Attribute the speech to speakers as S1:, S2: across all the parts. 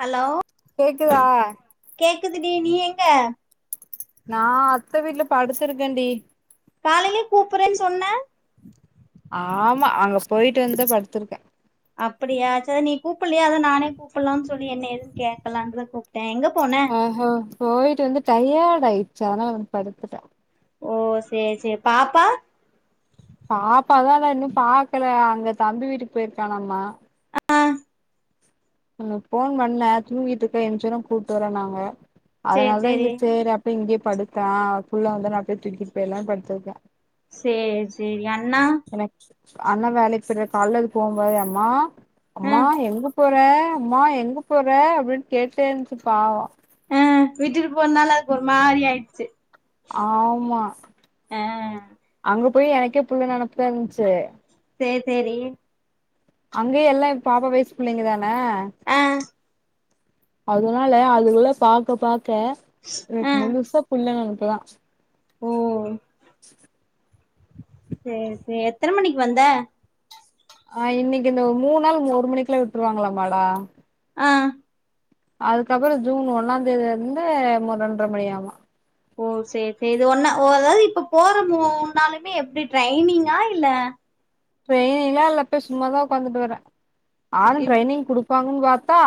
S1: hello
S2: கேக்குதா
S1: க்குதுடி நீ எங்க
S2: நா அத்த வீட்ல படுத்துருக்கன்டி
S1: காலையிலயே கூப்புறன் சொன்ன
S2: ஆமா அங்க போயிட்டு வந்தா படுத்துருக்க
S1: அப்புடியா சேர் நீ கூப்புல்லியா அதா நானே கூப்புல்லான் சொல்லி என்ன ஏதுன் கேக்கலான்தா கூப்ட
S2: ஆஹா போயிட்டு வந்து டையட் டாயிடுச்சு அதா வந்து படுத்துட்டே
S1: ஓ சேரி சேரி பாப்பா
S2: பாப்பாதா ல இன்னு பாக்கல அங்க தம்பி வீட்டுக்கு போயிருக்கானம்மா
S1: ஆ
S2: அங்க போன் பண்ண தூங்கிட்ருக்கே ஏன்சோனே கூப்ட்டு வரேன்னாங்க அதனால தா இங்க சேரி அப்டே இங்கேப் படுத்தா புள்ள வந்தொட்னே அப்டே தூக்கிட்டு போயிடலான்னு படுத்திருக்கே
S1: சேரிச் சேரி அண்ணா
S2: எனக்கு அண்ணா வேலைக்கு போய்டுவார் கால்ல அது போம்போது அம்மா
S1: ஆ
S2: அம்மா எங்க போற அம்மா எங்க போற அப்படின்னு கேட்டேன்ச்சு பாவோ
S1: அ விட்டுட்டு போறனால அதுக்கு ஒரு மாரி ஆயிடுச்சு
S2: ஆமா
S1: ஆ
S2: அங்க போய் எனக்கே புள்ள நெனப்புதா இருந்துச்சு
S1: சேரி சேரி
S2: அங்க எல்லா பாப்பா வயசு புள்ளைங்க தான
S1: ஆ
S2: அதுனால அதுகுளா பாக்க பாக் க்க
S1: ஆ
S2: எனக்கு முழுசா புள்ள நெனப் ப்புதா
S1: ஓ சேரி சேரி எத்தன மணிக்கு வந்த
S2: ஆ இன்னைக்கு இந்த மூண் நாள் ஒரு மணிக்குலா விட்ருவாங்களாமாடா
S1: ஆ
S2: அதுக்கப்புறொ ஜூன் ஒன்னாந் தேதிலருந்து மொதண்ட்ர மணியாமா
S1: ஓ சேரி சேரி இது ஒன்னா அதாவது இப்ப போற மூன்னாலுமே எப்டி டிரைய்னிங்கா இல்ல
S2: ட்ரெயிங்லால்ல போய் சும்மாதா ஒக்காந்துட்டு வரே நானு ட்ரைனிங் குடுப்பாங் உங்கப்பா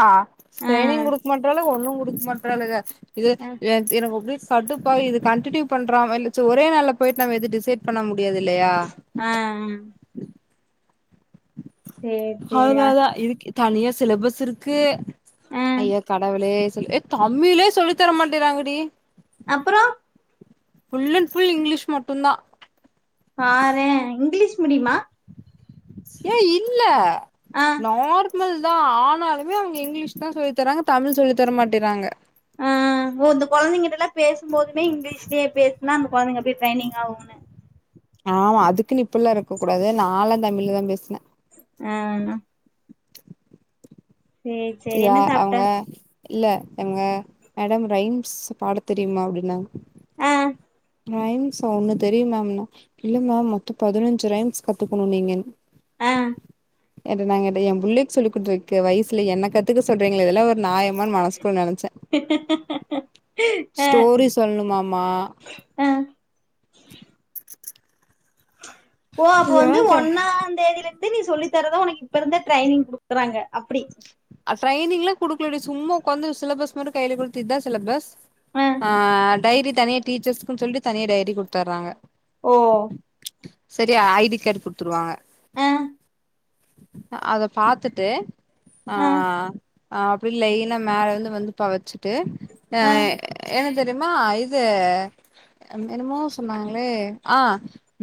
S1: ஆ
S2: ட்ரைனிங் குடுக்க மாட்றாலு ஒன்னு குடுக்க மாட்டறாலுக இது
S1: ஆ
S2: எனக் எனக்கு அப்டே கடுப்பாகுது கண்டினியூ பண்றா இல்ல ச்சு ஒரே நாள்ல போயிட்டு நம்ம எது டிசைட் பண்ண முட் முடியாது இல்லையா
S1: ஆ சேரி சேரி
S2: அதுனாலதா இருக்கு தனியா சிலபஸ் இர்க்கு
S1: ஆ
S2: ஐய கடவுளே ல்லே தம்மிலே சொல்லித்தர மாட்டேறாங்கடி
S1: அப்றொ
S2: ஃபுல் அண்ட் ஃபுல் இங்கிலிஷ் மட்டுதா
S1: பாரே இங்கீலீஷ் மீடிமா
S2: ஏ இல்ல
S1: ஆ
S2: நோர் நார்மல் தா ஆனாலுமே அவங்க இங்கிலீஷ் தா சொல்லி தராங்க தமிழ் சொல்லி தர மாட்டேறாங்க
S1: ஆ ஓ இந்த கொழந்தைங்கிட்டல்லா பேசும்போதுமே இங்கிலீஷ்லயே பேசுனா அந்த குழந்தைங்க அப்டியே ட்ரைனிங் ஆகும்ன்னு
S2: ஆமா அதுக்குன்னு இப்பில்லாம் இருக்க கூடாது நாலா தமிழ்ல தா பேசினே
S1: அன்னா சேரி
S2: இதா
S1: என்ன சாப்ட்ட
S2: அவங்க இல்ல எங்க மேடம் ரைம்ஸ் பாட தெரியுமா அப்டின்னாங்க
S1: அ
S2: ரைம்ஸ் ஒண்ணு தெரியு மேம்னா இல்ல மேம் மொத்த பதினஞ்சு ரைம்ஸ் கத்துக்கணு நீங்க
S1: அ
S2: ஏட்ட நாங்க எ புல்லைக் சொல்லிகொடுக்க வயஸ்ல எனக் க்கு சொல்றீங்களே இதெல்லா ஒரு நாயமானு மனசுக்குள்ள நினைச்ச
S1: ஆ
S2: ஸ்டோரி சொல்னுமாமா
S1: ஆ ஓ அப்ப வந்து
S2: ஏங்க
S1: ஒன்னா தேதில இத நீ சொல்லி தரதா உனக்கு இப்ப இருந்த ட்ரைனிங் குடுக்கறாங்க அப்டி
S2: இப்ப வந்து சிலபஸ் மட்டு கைல குடுத்து இதா சிலபஸ் ஆ டைரி தனியே டீச்சர்ஸ்க்குன் சொல்லி தனியா டைரி கொடுத்தர்றாங்க
S1: ஓ
S2: சரியா ஐடி கார்ட் குடுத்துருவாங்க
S1: அ
S2: அத பாத்துட்டு ஆ
S1: அ
S2: அப்டி இல்ல மேல இருந்து வந்து தொவச்சு ட்டு ஆ
S1: அ
S2: எனக் தெரிமா இது என்னமோ சொன்னாங்களே ஆ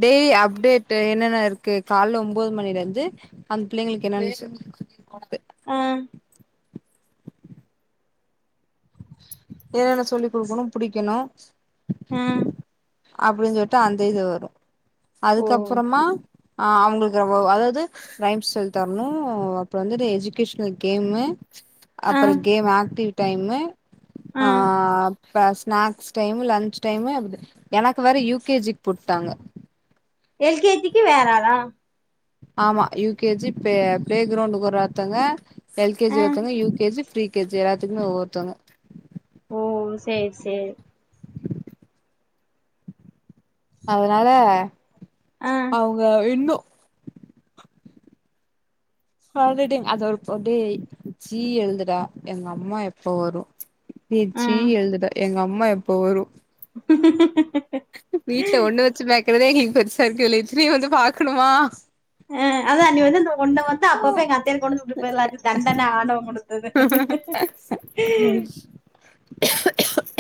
S2: டெ அப்டேட் என்னென்ன இருக்கு கால்ல ஒன்பது மணிலருந்து அந்த ப்ள்ளைங்களுக்கு என்ன லஞ்
S1: அ
S2: என்னென்ன சொல்லி் கொடுக்கணு புடிக்கணு
S1: ம்
S2: அப்டின் சொல்ட்டு அந்த இது வரு
S1: ஓ
S2: அதுக்கப்பறமா ஆ அவங்களுக்கு உ அதாவது ரைம்ஸ் சொல்லி தரணு அப்றோ வந்துட் எஜுகேஷனல் கேமு
S1: அ
S2: அப்ற கேம் ஆக்டிவ் டைமு
S1: அ
S2: ஆ ஸ்ன ஸ்நேக்ஸ் டைம் லஞ்ச் டைமு எனக்கு வேற யூ கே ஜிக்கு போட்டாங்க
S1: எல் கே ஜிக்கு வேற ஆளா
S2: ஆமா யூ கே ஜி பே ப்ளே கிரௌண்ட்க்கு ஒருரத்தங்க எல் கே
S1: அ
S2: ஜி வெக்கணு U K G pre K G எல்லாத்துக்குமே ஒவ்வொருத்தங்க
S1: ஒ சேர் சே
S2: அதுனால
S1: அ
S2: அவுங்க இன்னு ஹாண்ரைட்டிங் அத ஒரு ப டே சீ எழுதுடா எங்கம்மா எப்ப வரு ஏ
S1: அ
S2: சீ எழுதுடா எங்கம் மா எப்ப வரு வீட்ல ஒன்னு வச்சு மேக்கிறதே பெருசா இருக்கு இதுல இத்தினிய வந்து பாக்கணுமா
S1: ஆ அதா நீ வந்து இந்த ஒன்ன வந்து அப்பப்ப எங்க அத்தைய கொண்டந்து வுட்டுட் போயர்லாகு தண்டன ஆண்டவ கொடுத்
S2: [inaudible]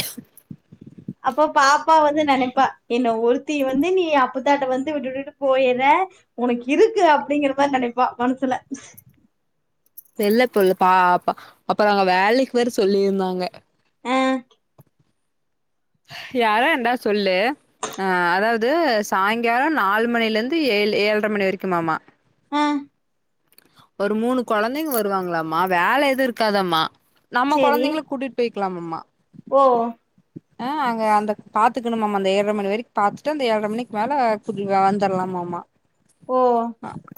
S1: அப்போ பாப் பா வந்து நெனைப்பா என்ன ஒரு த்திய வந்து நீ அப்பத்தாட்ட வந்து விட்டு விட்டுட்டு போயிற ஒனக்கு இருக்கு அப்டிங்கிற மாரி நெனைப்பா மனசுல
S2: இல்ல தொல் பாப்பா அப்பற அங்க வேலைக்கு வேற சொல்லியிருந்தாங்க
S1: அ
S2: யாரா இருந்தா சொல்லு அ அதாவ்து சாய்ங்கால நாலு மணிலெந்து ஏழு ஏழ்ன மணி வரைக்குமாமா
S1: அ
S2: ஒரு மூணு கொழந்தைங்க வருவாங்களாம்மா வேல எதுவு இருக்காதம்மா நம்ம
S1: சேரி
S2: கொழந்தைங்கள கூட்டிட் பய் க்லாமம்மா
S1: ஓ
S2: ஆ அங்க அந்த பாத்துக்கணுமம்மா அந்த ஏழ்ர மணி வரைக் பாத்துட்டு அந்த ஏழ்ர மணிக் மேல கூட்டி வந்தர்லாமாமா
S1: ஓ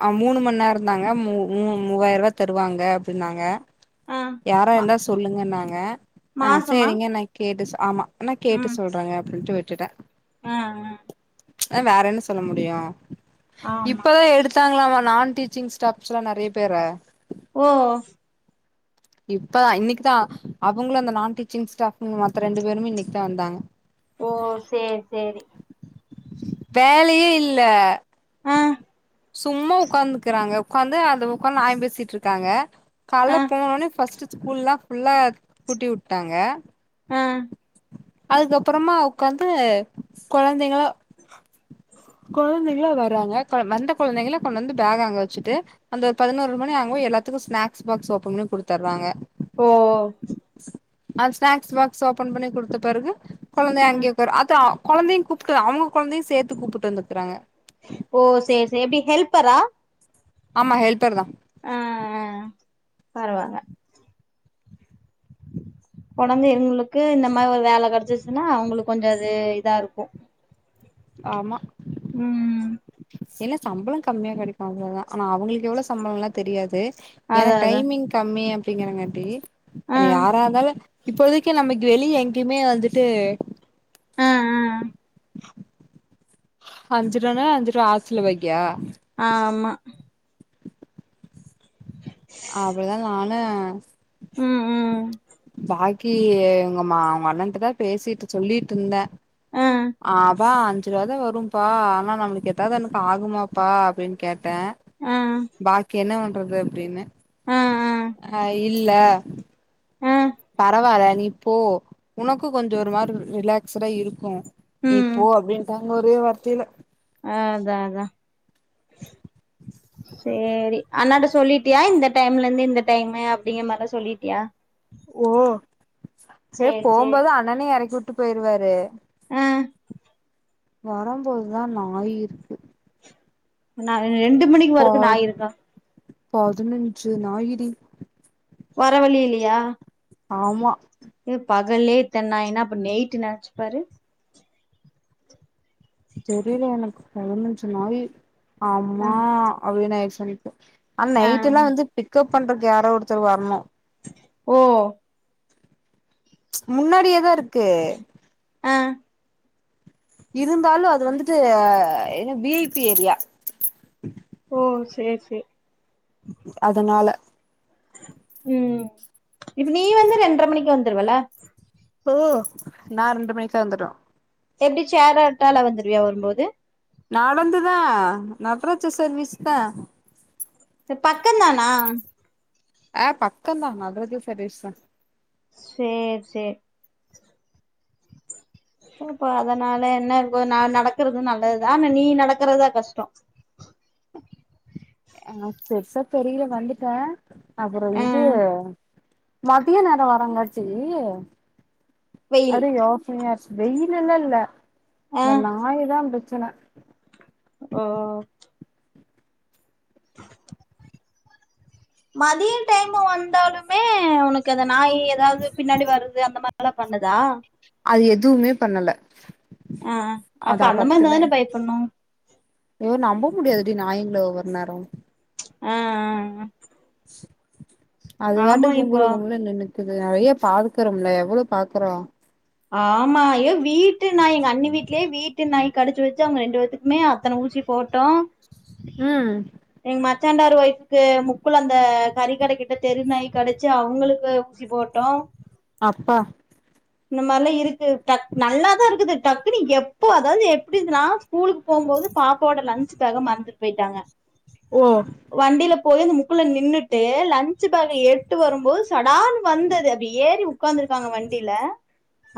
S2: ஆ மூணு மண்நேர ன்னாங்க மூ மூ மூவாயருவா தருவாங்க அப்டின்னாங்க
S1: அ
S2: யாரா
S1: மா
S2: இருந்தா சொல்லுங்கன்னாங்க அ
S1: மாசமா
S2: சேரிங்க நா கேட்டு சொ ஆமா ஆனா கேட்டு சொல்றங்க அப்டின்ட்டு வி ட்டுட்டே
S1: அ அ
S2: அ வேற என்ன சொல்ல முடியு
S1: ஆமா
S2: இப்பதா எடுத்தாங்களாமா நான் டீ ச்சிங் ஸ்டாஃப்ஸ்லா நறைய பேர
S1: ஓ
S2: இப்ப இன்னிக்குதா அவங்களு அந்த நான் டீச்சிங் ஸ்டாஃப்பு மத்த ரெண்டு பேருமே இன்னிக்குதா வந்தாங்க
S1: ஓ சேர் சேரி
S2: வேலையே இல்ல
S1: ஆ
S2: சும்மா உக்காந்துக்குறாங்க உக்காந்து அந்த உக்காந்து நாயம் பேசிட்ருக்காங்க
S1: ஆ
S2: கால்ல போன்ன ஃபஸ்ட்டு ஸ்கூல்லா ஃபுல்லா கூட்டியுட்டாங்க
S1: ஆ
S2: அதுக்கப்புறமா உக்காந்து கொழந்தைங்களா கொழந்தைங்களா வராங்க கொ வந்த குழந்தைங்கள கொண்டு வந்து பேக் அங்க வெச்சுட்டு அந்த ஒரு பதினோரு மணி அங்க போய் எல்லாத்துக்கு ஸ்நேக்ஸ் பாக்ஸ் ஓப்பன் பண்ணி குடுத்துராங்க
S1: ஓஓ
S2: ஆ ஸ்நேக்ஸ் பாக்ஸ் ஓப்பன் பண்ணி குடுத்த பெறகு கொழந்தை அங்கயே உக்கார் அதா கொழந்தையுங் கூப்புட்டு அவங்க கொழந்தையு சேத்து கூப்புட்டு வந்துக்குறாங்க
S1: ஓ சேர் சேர் எப்டி ஹெல்பரா
S2: ஆமா ஹெல்பர்தா
S1: பரவால்ல கொழந்தை இருங்களுக்கு இந்த மார் ஒரு வேல கெடச்சுச்சுன்னா அவங்களுக்கு கொஞ்ச இது இதா இருக்கு
S2: ஆமா
S1: ம்
S2: சம்பளங் கம்மியா கெடைக்கு அவ்ளோதா ஆனா அவுங்களுக்கு எவ்ளோ சம்பளம்லா தெரியாது
S1: அதா
S2: எனக்கு
S1: அதா
S2: டைமிங் கம்மியா ங்கரங்காட்டி
S1: ஆ
S2: என்ன யாரா இருந்தாலு இப்பொதைக்கு நமக்கு வெளிய எங்யுமே வந்துட்டு
S1: அ அ
S2: அஞ்சு ரூவானா அஞ்ரூவா ஹாஸ்டல்லு போய்டியா
S1: ஆ ஆமா
S2: ஏ
S1: ம் ம்
S2: பாக்கி இவுங்க மா அவுங்க அண்ணண்ட்டதா பேசிட்டு சொல்லிட்டு இருந்த
S1: ஆ
S2: ஆஃப் ப்பா அஞ்சு ரூவாதா வரும்பா ஆனா நம்முளுக்கு ஏதாவது எனக்கு ஆகுமாப்பா அப்டின் கேட் ட
S1: ஆ
S2: பாக்கி என்ன உன் க்கு அப்டின்னு
S1: ஆ ஆ
S2: ஆ இல்ல
S1: ஆ
S2: பரவால நீ போ உனக்கு கொஞ்சோ ஒரு மாரி ரிலாக்ஸ்டுடா இருக்கு நீ போ அப்டின்டா ஒரே வார்த்தையில
S1: ஆ அதா அதா சேரி அண்ணாட்ட சொல்லிட்டியா இந்த டைம்ல இருந்து இந்த டைம் அப்டிங்ரமாரிலா சொல்லிட்டியா
S2: ஓ ஏ
S1: சேர் சேர்
S2: போம்போது அண்ணனயு எறக்கி விட்டு விட்டு போயிருவாரு
S1: ஆ
S2: வரம்போதுதா நாய் இருக்கு
S1: நாய் ரெண்டு மணிக்கு
S2: பா
S1: வரைக்கு நாய் இருக்கு
S2: பதினஞ்சு நாய் டி
S1: வர வழிலயா
S2: ஆமா
S1: பகல்லே இத்தன் நாய்னா அப்ப நைட்டு நெனச்சுப்பாரு
S2: தெரில எனக்கு பதுநஞ்சு நாயி
S1: ஆ
S2: ஆம்மா அப்டினு ஆய்ட்சு [unintelligible] ஆனா
S1: ஆ
S2: நைட்டுலா வந்து பிக்கப் பண்றக்கு யாரோ ஒருத்தர் வரணு
S1: ஓ
S2: ச் முன்னாடியேதா இருக்கு
S1: ஆ
S2: இருந்தாலு அது வந்துட்டு என வி ஐ பி ஏரியா
S1: ஓ சேரி சே
S2: அதுனால
S1: உ இப்ப நீ வந்து ரெண்ட்ர மணிக்கு வந் தெருவல
S2: ஓ நா ரெண்டு மணிக்கெல்லா வந்துருவே
S1: எப்டி சேர் ஆட்டால வந்துருவியா வரும்போது
S2: நடந்துதா நடராஜா சர் வீஸ் தா
S1: பக்கந்தானா
S2: ஆ பக்கந்தா நடராஜா சர்வீஸ்தா
S1: சேரி சேரி அப்போ அதனால என்ன இப்பொ ந நடக்கறது நல்லதுதா ஆனா நீ நடக்கறதா கஷ்டொ
S2: ஆ பெர்ஸா தெரியல வந்துட்டே அப்பறெ
S1: ஆ
S2: இது மதிய நேரோ வாராங்காட்டி
S1: வெயில்
S2: அதா யோசனயார்கு வெயிலுலால்ல
S1: ஆ
S2: இந்த நாய் தா பிர ச்சுலா
S1: ஓ [inaudible] மதிய டைமு வந்தாலுமே உனக்கு எதன் நாயி ஏதாவது பின்னாடி வருது அந்த மார் அதுலா பண்ணுதா
S2: அது எதுமே பண்ணல
S1: ஆ அப்ப
S2: அதா
S1: அந்த மாரி
S2: பத்துன
S1: இருந்தாதான பயப்படுனும்
S2: நம்ப முடியாதுடி நாயிங்கள ஒவ்வொரு நேரோ
S1: அ அ அ
S2: அது வாட்டுக்
S1: இப்போ
S2: [unintelligible] இது நெறைய பாக்குறோம்ல எவ்வளோ பாக்குறோ
S1: ஆமா ஐயோ கடுச்சு வெச்சு அவுங்க ரெண்டு வேத்துக்குமே அத்தன ஊசி போட்டோ
S2: ம்
S1: எங்க மச்சாண்டார் ஒய்ஃப்க்கு முக்குள்ள அந்த கறி கடை கிட்ட தெருநாய் கடுச்சு அவங்களுக்கு ஊசி போட்டோ
S2: அப்பா
S1: இந்த மாரிலா இருக்கு டக் நல்லாதா இருக்குது டக்குனு எப் எப்போ அதாவது எப்புடின்னா ஸ்கூலுக்குப் போகும்போது பாப்போட லன்சு பேக மறந்துட்டு போயிட்டாங்க
S2: ஓ
S1: வண்டில போய் அந்த முக்குள நின்னுட்டு லன்ச்சு போக எட்டு வரும்போது சடான் வந்தது அப்டி ஏறி உக்காந்துருக்காங்க வண்டில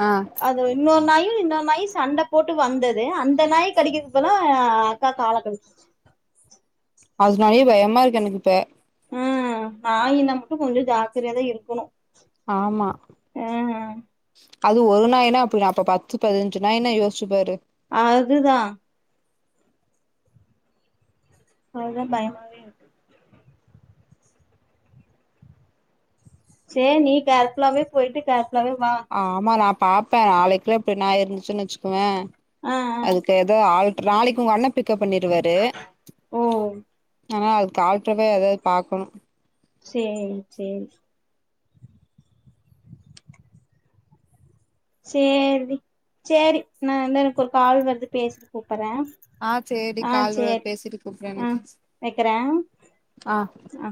S2: ஆ
S1: அது இன்னொர் நாயி தோ மாயி சண்ட போட்டு வந்தது அந்த நாயி கடிக்குறதுக்கு பதிலா அக்கா கால கடுச்சுருச்சு
S2: அதுனாலயே பயமா இருக்கு எனக்கு இப்ப
S1: ஆ நாயினா மட்டு கொஞ்சோ ஜாக்குரதையாதா இருக்குணு
S2: ஆமா அது ஒரு நாயினா அப்படி அப்ப பத்து பதுனஞ்சு நாயினா யோசுச்சுப்பாரு
S1: அதுதா அதா பயமாவே இருக்கு சேர் நீ கேர் ஃபுல்லாவே போயிட்டு கேர்
S2: ஆமா நா பாப்ப நாளைக்குள்ளப் த்து நாயி இருந்துச்சுன்னா வெச்சுக்கோவே
S1: ஆ ஆ
S2: அதுக்கு ஏதோ ஆள் நாளைக்கு உங்க அண்ண பிக் கப் பண்ணிருவாரு
S1: ஓ
S2: ஆ டாக்டருதா ஏதாவது பாக்கணு
S1: சேரி சேரி சேர்டி சேரி நா வந்து எனக்கு ஒரு கால் வருது பேசிட்டு கூப் பற
S2: ஆ சேரி
S1: ஆ
S2: கால் வருது
S1: சேர்
S2: பேசிட்டு கூப்டு
S1: ஆ
S2: எனக்கு
S1: வெக்கற ஆ